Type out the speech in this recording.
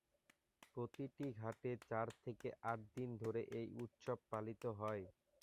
প্রতিটি ঘাটে চার থেকে আট দিন ধরে এই উৎসব পালিত হয়।